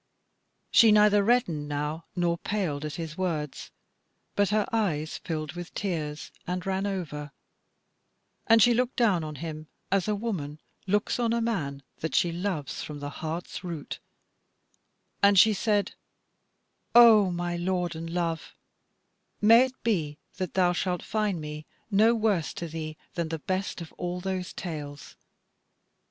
She neither reddened now, nor paled at his words, but her eyes filled with tears, and ran over, and she looked down on him as a woman looks on a man that she loves from the heart's root, and she said: "O my lord and love, may it be that thou shalt find me no worse to thee than the best of all those tales.